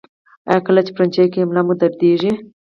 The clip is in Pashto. ایا کله چې پرنجی کوئ ملا مو دردیږي؟